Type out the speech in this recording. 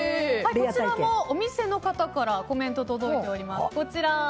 こちらもお店の方からコメントが届いております。